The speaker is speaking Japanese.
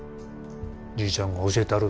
じいちゃんが教えたる。